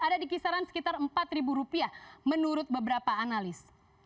ada di kisaran sekitar empat rupiah menurut beberapa analis